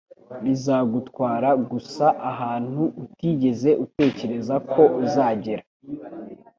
bizagutwara gusa ahantu utigeze utekereza ko uzagera.”